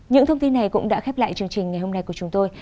những thông tin này cũng đã khép lại chương trình ngày hôm nay của chúng tôi